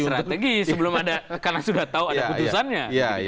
strategi karena sudah tahu ada keputusannya